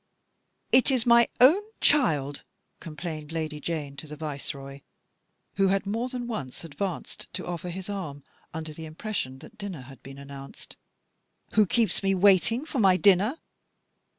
"It is my own child," complained Lady Jane to the Viceroy, who had more than once advanced to offer his arm, under the impres sion that dinner had been announced, " who keeps me waiting for my dinner.